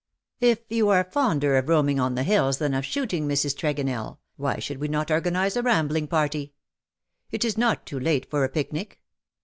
" If you are fonder of roaming on the hills tian of shooting, Mrs. Tregonell^ why should we not organize a rambling party ? It is not too late for a picnic.